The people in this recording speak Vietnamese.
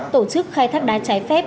tổ chức khai thác đá trái phép